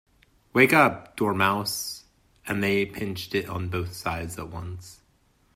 ‘Wake up, Dormouse!’ And they pinched it on both sides at once.